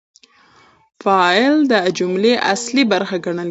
فاعل د جملې اصلي برخه ګڼل کیږي.